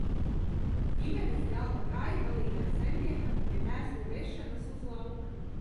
Ģimenes galva gāja palīgā saimniekam, pie mēslu vešanas uz lauka.